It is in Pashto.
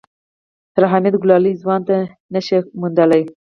تر حميد ګلالی ځوان نه شې موندلی.